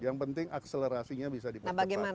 yang penting akselerasinya bisa diperketat